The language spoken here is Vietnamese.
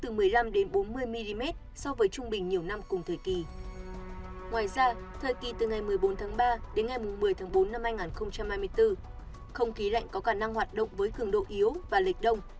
ngoài ra thời kỳ từ ngày một mươi bốn tháng ba đến ngày một mươi tháng bốn năm hai nghìn hai mươi bốn không khí lạnh có khả năng hoạt động với cường độ yếu và lệch đông